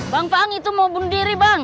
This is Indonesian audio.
bang pang itu mau bunuh diri bang